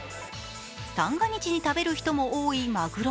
三が日に食べる人も多いマグロ。